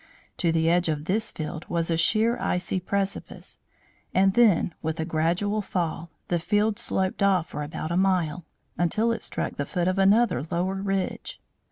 To the edge of this field was a sheer icy precipice; and then, with a gradual fall, the field sloped off for about a mile, until it struck the foot of another lower ridge.